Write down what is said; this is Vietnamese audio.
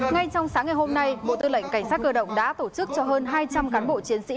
ngay trong sáng ngày hôm nay bộ tư lệnh cảnh sát cơ động đã tổ chức cho hơn hai trăm linh cán bộ chiến sĩ